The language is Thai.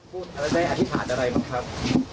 พี่พระเจ้าได้อธิษฐานอะไรบ้างครับ